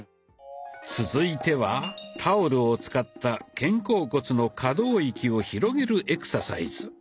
続いてはタオルを使った肩甲骨の可動域を広げるエクササイズ。